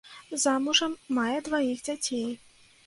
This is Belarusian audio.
Замужам, мае дваіх дзяцей.